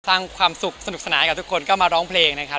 สร้างความสุขสนุกสนานกับทุกคนก็มาร้องเพลงนะครับ